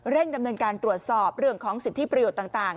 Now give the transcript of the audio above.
ดำเนินการตรวจสอบเรื่องของสิทธิประโยชน์ต่าง